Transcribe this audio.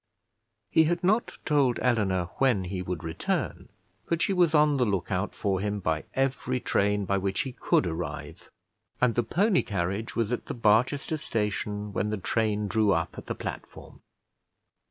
He had not told Eleanor when he would return, but she was on the look out for him by every train by which he could arrive, and the pony carriage was at the Barchester station when the train drew up at the platform.